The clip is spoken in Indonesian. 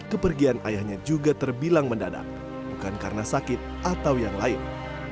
kepergian ayahnya juga terbilang mendadak bukan karena sakit atau yang lain